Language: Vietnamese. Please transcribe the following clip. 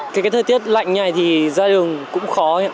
cái thời tiết lạnh như thế này thì ra đường cũng khó